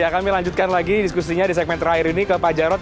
ya kami lanjutkan lagi diskusinya di segmen terakhir ini ke pak jarod